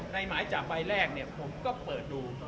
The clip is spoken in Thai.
หมายจับใบแรกเนี่ยผมก็เปิดดู